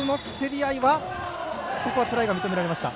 ここはトライが認められました。